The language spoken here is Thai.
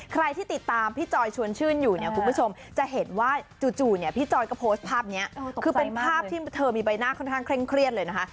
ใครที่ติดตามพี่จอยชวนชื่นอยู่เนี่ยคุณผู้ชมจะเห็นว่าจู่เนี่ยพี่จอยก็โพสต์ภาพนี้คือเป็นภาพที่เธอมีใบหน้าค่อนข้างเคร่งเครียดเลยนะคะ